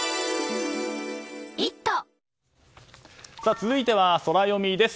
続いてはソラよみです。